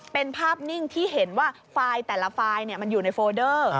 เป็นภาพนิ่งที่เห็นว่าไฟล์แต่ละไฟล์มันอยู่ในโฟเดอร์